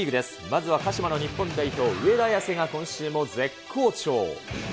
まずは鹿島の日本代表、上田綺世が今週も絶好調。